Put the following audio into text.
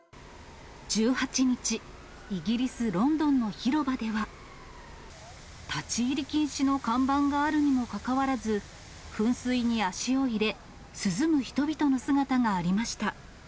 １８日、イギリス・ロンドンの広場では、立ち入り禁止の看板があるにもかかわらず、噴水に足を入れ、涼む人々の姿がありました。